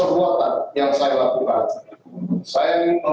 baca kan sekarang